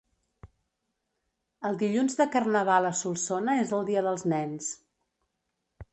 El dilluns de Carnaval a Solsona és el dia dels nens.